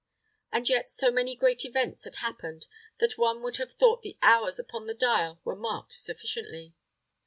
And yet so many great events had happened that one would have thought the hours upon the dial were marked sufficiently.